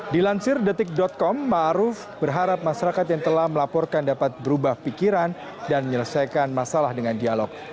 dilansir detik com ⁇ maruf ⁇ berharap masyarakat yang telah melaporkan dapat berubah pikiran dan menyelesaikan masalah dengan dialog